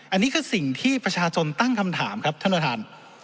อันนี้คือสิ่งที่ประชาชนตั้งคำถามครับท่านประธาน